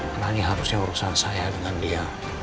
karena ini harusnya urusan saya dengan dia